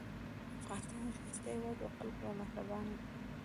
افغانستان یو ښایسته هیواد ده او خلک یې مهربانه دي